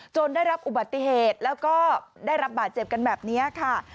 ได้รับอุบัติเหตุแล้วก็ได้รับบาดเจ็บกันแบบนี้ค่ะ